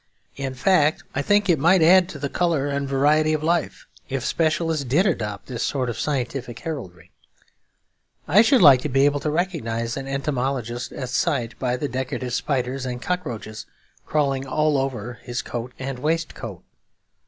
In fact, I think it might add to the colour and variety of life, if specialists did adopt this sort of scientific heraldry. I should like to be able to recognise an entomologist at sight by the decorative spiders and cockroaches crawling all over his coat and waistcoat.